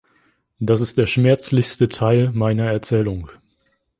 Das ist der schmerzlichste Teil meiner Erzählung.